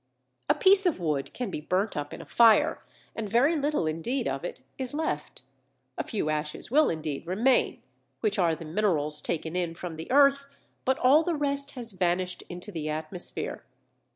A piece of wood can be burnt up in a fire and very little indeed of it is left. A few ashes will indeed remain, which are the minerals taken in from the earth, but all the rest has vanished into the atmosphere.